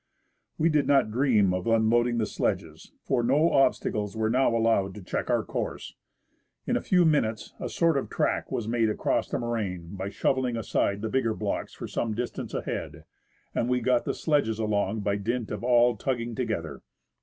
We did not dream of unloading the sledges, for no obstacles were now allowed to check our course. In a few minutes a sort of track was made across the moraine, by shovelling aside the bigger blocks for some distance ahead, and we got the sledges along by dint of all tugging together.